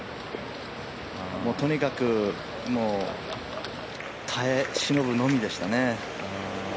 とにかくもう、耐え忍ぶのみでしたね。